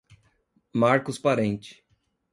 Marcos Parente